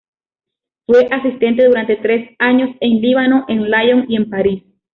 Fue asistente durante tres anos en Líbano, en Lyon y en París.